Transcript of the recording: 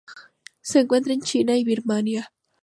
Se encuentran en China y Birmania.